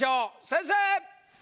先生！